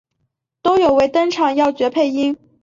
都有为登场要角配音。